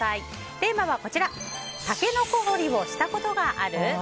テーマはタケノコ掘りをしたことがある？